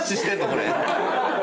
これ。